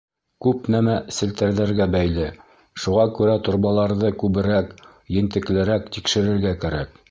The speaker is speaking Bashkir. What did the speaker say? — Күп нәмә селтәрҙәргә бәйле, шуға күрә торбаларҙы күберәк, ентеклерәк тикшерергә кәрәк.